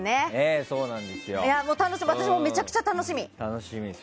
私もめちゃくちゃ楽しみ。